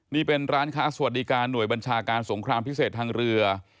นี่เป็นร้านค้าสวัสดิการหน่วยบัญชาการสงครามพิเศษทางเรือ